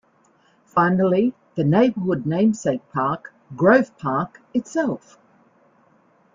Finally the neighborhood namesake park Grove Park itself.